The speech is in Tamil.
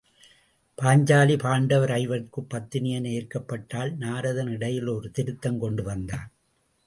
பாஞ்சாலி பாண்டவர் ஐவர்க்கும் பத்தினி என ஏற்கப்பட்டாள் நாரதன் இடையில் ஒரு திருத்தம் கொண்டு வந்தான்.